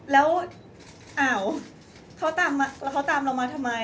แล้วอ้าวเขาตามเรามาทำไม